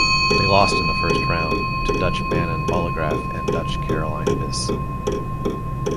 They lost in the First Round to Dutch Manon Bollegraf and Dutch Caroline Vis.